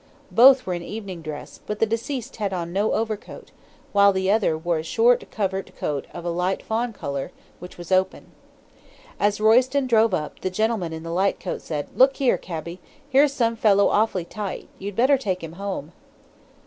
Both were in evening dress, but the deceased had on no overcoat, while the other wore a short covert coat of a light fawn colour, which was open. As Royston drove up, the gentleman in the light coat said, 'Look here, cabby, here's some fellow awfully tight, you'd better take him home!'